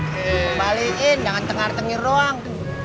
kembaliin jangan tengar tengin doang